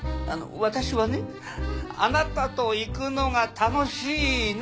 私はねあなたと行くのが楽しいの！